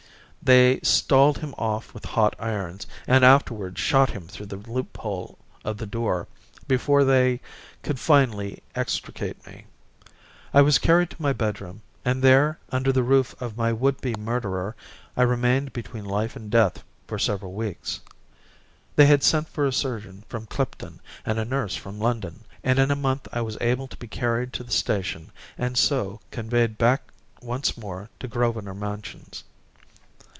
They stalled him off with hot irons, and afterwards shot him through the loophole of the door before they could finally extricate me. I was carried to my bedroom, and there, under the roof of my would be murderer, I remained between life and death for several weeks. They had sent for a surgeon from Clipton and a nurse from London, and in a month I was able to be carried to the station, and so conveyed back once more to Grosvenor Mansions.